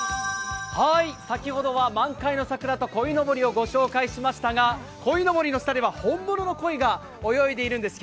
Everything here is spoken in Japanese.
先ほどは満開の桜と鯉のぼりをご紹介しましたが鯉のぼりの下では本物の鯉が泳いでいるんです。